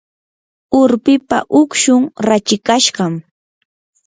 urpipa ukshun rachikashqam.